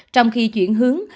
trong khi chuyển hướng